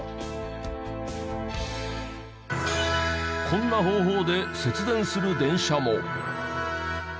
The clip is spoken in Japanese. こんな方法で節電する電車も。